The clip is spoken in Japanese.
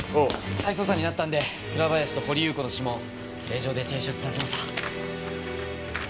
再捜査になったんで倉林と掘祐子の指紋令状で提出させました。